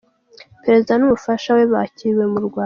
Perezida n’Umufasha we bakiriwe mu Rwanda